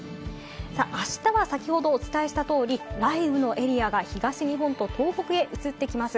あしたは先ほどお伝えした通り、雷雨のエリアが東日本と東北へ移ってきます。